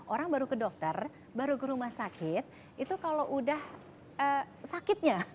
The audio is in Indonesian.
orang baru ke dokter baru ke rumah sakit itu kalau udah sakitnya